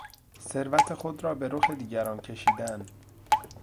ثروت خود را به رخ دیگران کشیدن